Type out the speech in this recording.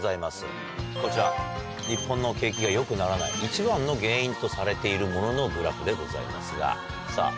こちら日本の景気がよくならない一番の原因とされているもののグラフでございますがさぁ